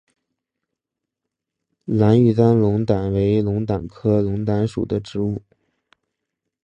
蓝玉簪龙胆为龙胆科龙胆属的植物。